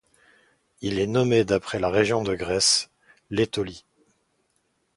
Il est nommé d'après la région de Grèce, l'Étolie.